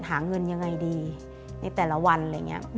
หาเงินยังไงดีในแต่ละวันอะไรอย่างนี้